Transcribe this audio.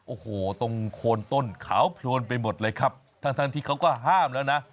โอ้โหตรงโคนต้นขาวโพลนไปหมดเลยครับทั้งที่เขาก็ห้ามแล้วนะ